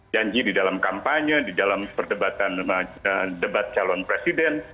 janji di dalam kampanye di dalam perdebatan debat calon presiden